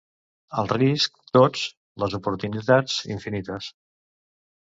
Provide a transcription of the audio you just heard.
Els riscs, tots; les oportunitats, infinites.